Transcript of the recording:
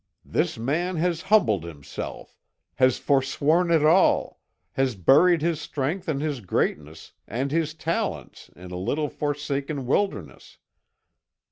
This man has humbled himself, has forsworn it all, has buried his strength and his greatness and his talents in a little forsaken wilderness.